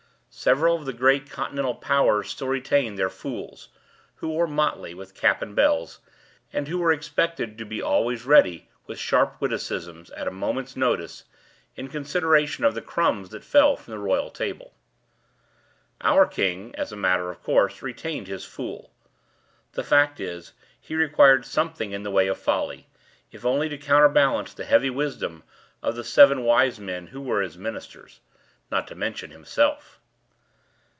Several of the great continental "powers" still retain their "fools," who wore motley, with caps and bells, and who were expected to be always ready with sharp witticisms, at a moment's notice, in consideration of the crumbs that fell from the royal table. Our king, as a matter of course, retained his "fool." The fact is, he required something in the way of folly—if only to counterbalance the heavy wisdom of the seven wise men who were his ministers—not to mention himself.